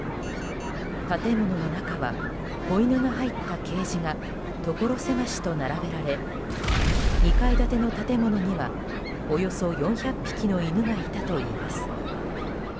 建物の中は子犬が入ったケージがところ狭しと並べられ２階建ての建物にはおよそ４００匹の犬がいたといいます。